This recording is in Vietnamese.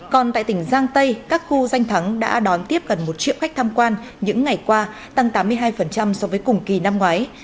còn tại tỉnh giang tây các khu danh thắng đã đón tiếp gần một triệu khách tham quan những ngày qua tăng tám mươi hai so với cùng kỳ năm ngoái